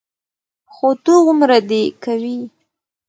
خو دغومره دې کوي،